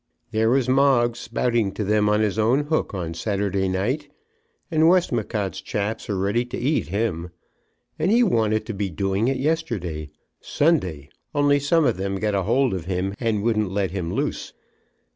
"There was Moggs spouting to them on his own hook on Saturday night, and Westmacott's chaps are ready to eat him. And he wanted to be doing it yesterday, Sunday; only some of them got a hold of him and wouldn't let him loose.